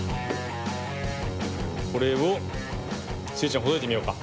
これをスイちゃんほどいてみようか。